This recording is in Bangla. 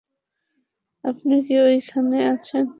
আপনি কি ওইখানে আছেন?